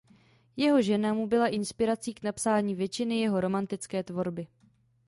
Jeho žena mu byla inspirací k napsání většiny jeho romantické tvorby.